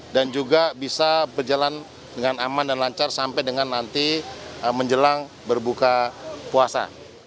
dan juga bisa berjalan dengan aman dan lancar sampai dengan nanti menjelang berbuka puasa